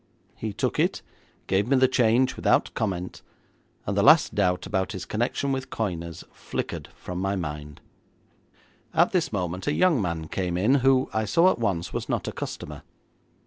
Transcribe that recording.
He took it, gave me the change without comment, and the last doubt about his connection with coiners flickered from my mind. At this moment a young man came in, who, I saw at once, was not a customer.